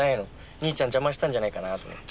兄ちゃん邪魔したんじゃないかなと思って。